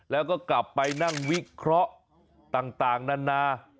แล้วก็กลับไปนั่งวิเคราะห์ต่างนานา